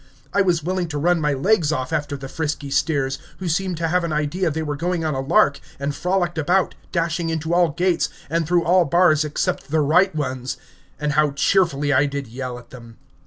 I was willing to run my legs off after the frisky steers, who seemed to have an idea they were going on a lark, and frolicked about, dashing into all gates, and through all bars except the right ones; and how cheerfully I did yell at them.